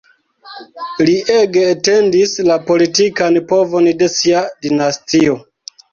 Li ege etendis la politikan povon de sia dinastio.